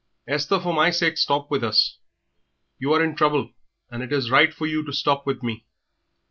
Esther, for my sake stop with us. You are in trouble, and it is right for you to stop with me.